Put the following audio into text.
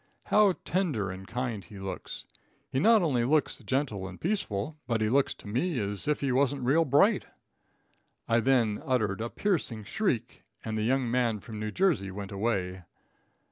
How tender and kind he looks. He not only looks gentle and peaceful, but he looks to me as if he wasn't real bright." I then uttered a piercing shriek and the young man from New Jersey went away.